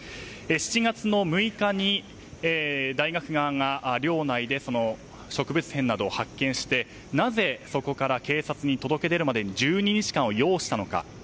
７月６日に大学側が寮内で植物片などを発見して、なぜそこから警察に届け出るまでに１２日間を要したのか。